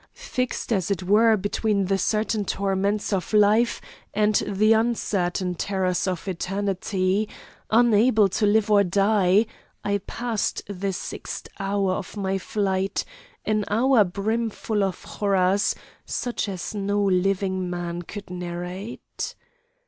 Fixed as it were between the certain torments of life, and the uncertain terrors of eternity unable to live or to die I passed the sixth hour of my flight an hour brimful of horrors, such as no living man could narrate.